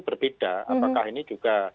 berbeda apakah ini juga